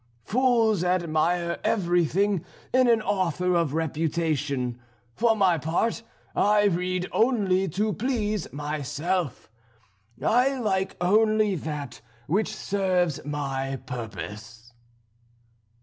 Fools admire everything in an author of reputation. For my part, I read only to please myself. I like only that which serves my purpose."